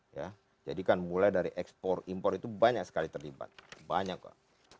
ya jadi kan mulai dari ekspor impor itu banyak sekali terlibat banyak pak